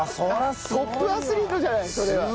トップアスリートじゃないそれは。